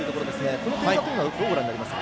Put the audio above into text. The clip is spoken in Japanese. この点差はどうご覧になりますか。